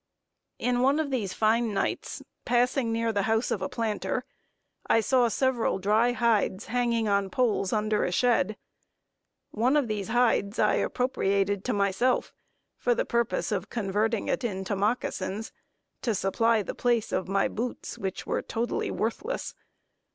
In one of these fine nights, passing near the house of a planter, I saw several dry hides hanging on poles under a shed. One of these hides I appropriated to myself, for the purpose of converting it into moccasins, to supply the place of my boots, which were totally worthless.